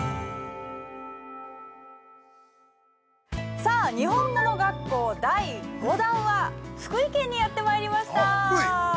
◆さあ、にほんもの学校第５弾は福井県にやってまいりました。